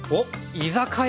居酒屋。